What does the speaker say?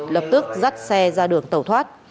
lập tức dắt xe ra đường tàu thoát